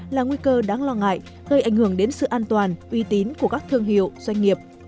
là nguy cơ đáng lo ngại gây ảnh hưởng đến sự an toàn uy tín của các thương hiệu doanh nghiệp